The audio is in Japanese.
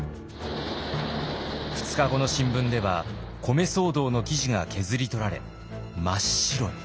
２日後の新聞では米騒動の記事が削り取られ真っ白に。